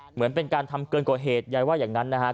เหมือนเป็นการทำเกินกว่าเหตุยายว่าอย่างนั้นนะครับ